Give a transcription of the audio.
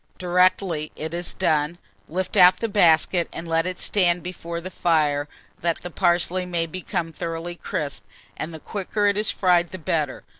Directly it is done, lift out the basket, and let it stand before the fire, that the parsley may become thoroughly crisp; and the quicker it is fried the better.